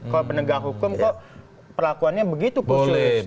kalau penegak hukum kok perlakuannya begitu khusus